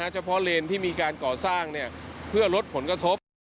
เฉพาะเลนที่มีการก่อสร้างเพื่อลดผลกระทบ